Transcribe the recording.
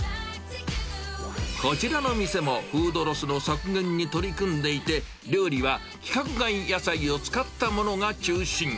こちらの店もフードロスの削減に取り組んでいて、料理は規格外野菜を使ったものが中心。